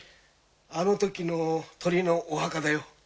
あのときの鳥のお墓だよ。